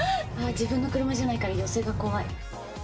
自分の車じゃないから、寄せが怖い。